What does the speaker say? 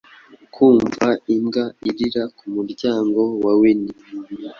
Kumva imbwa irira kumuryango wa wini